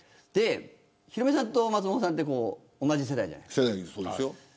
ヒロミさんと松本さんは同じ世代じゃないですか。